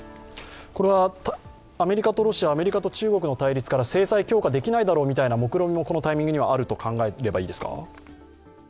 これはアメリカとロシア、アメリカと中国の対立から制裁強化できないだろうみたいなもくろみもこのタイミングにはあると考えればいいですか？